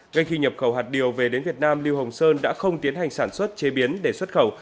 ngay khi nhập khẩu hạt điều về đến việt nam lưu hồng sơn đã không tiến hành sản xuất chế biến để xuất khẩu